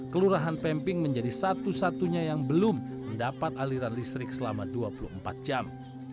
kelurahan pemping menjadi satu satunya yang belum mendapat aliran listrik selama dua puluh empat jam